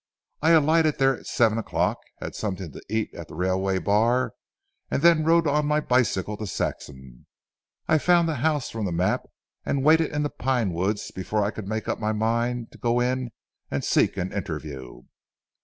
I alighted there at seven o'clock; had something to eat at the railway bar, and then rode on my bicycle to Saxham. I found the house from the map and waited in the pine woods before I could make up my mind to go in and seek for an interview."